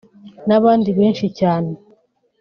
n’abandi benshi cyane